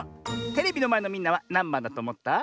テレビのまえのみんなはなんばんだとおもった？